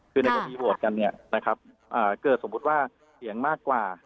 คือในกรณีโหวตกันเนี่ยนะครับเกิดสมมุติว่าเสียงมากกว่า